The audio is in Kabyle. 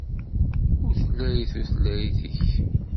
Utlay tutlayt-ik.